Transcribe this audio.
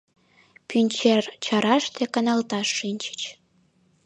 Пӱнчер чараште каналташ шинчыч.